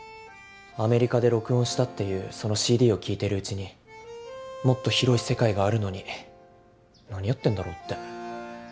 アメリカで録音したっていうそのＣＤを聴いてるうちにもっと広い世界があるのに何やってんだろって。